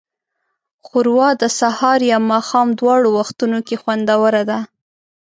ښوروا د سهار یا ماښام دواړو وختونو کې خوندوره ده.